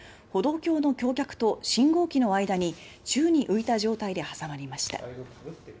歩道橋の橋脚と信号機の間に宙に浮いた状態で挟まりました。